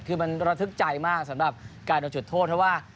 คือมันระทึกใจมากสำหรับการโดนจุดโทษเพราะว่า